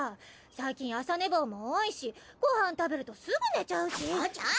最近朝寝坊も多いしご飯食べるとすぐ寝ちゃうし。